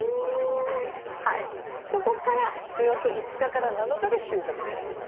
そこからおよそ５日から７日で収穫です。